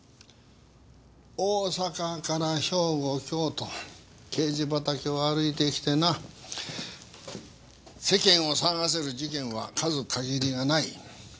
大阪から兵庫京都刑事畑を歩いてきてな世間を騒がせる事件は数限りがない。